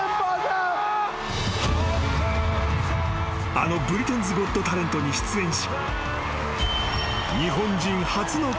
［あの『ブリテンズ・ゴット・タレント』に出演し］